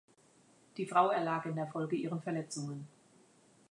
Die Frau erlag in der Folge ihren Verletzungen.